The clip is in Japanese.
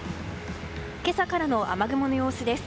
今朝からの雨雲の様子です。